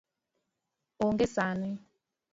Onge sani